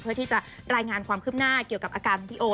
เพื่อที่จะรายงานความคืบหน้าเกี่ยวกับอาการของพี่โอ